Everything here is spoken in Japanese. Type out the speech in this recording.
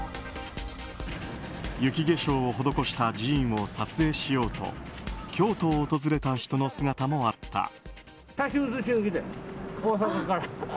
雪化粧を施した寺院を撮影しようと京都を訪れた人の姿もあった。